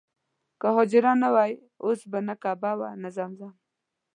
که حاجره نه وای اوس به نه کعبه وه نه زمزم.